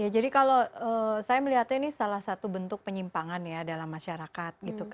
jadi kalau saya melihatnya ini salah satu bentuk penyimpangan ya dalam masyarakat